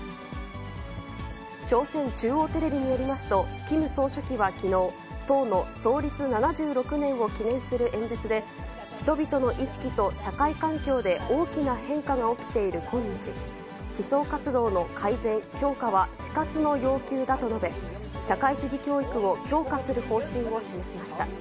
朝鮮中央テレビによりますと、キム総書記はきのう、党の創立７６年を記念する演説で、人々の意識と社会環境で大きな変化が起きている今日、思想活動の改善・強化は死活の要求だと述べ、社会主義教育を強化する方針を示しました。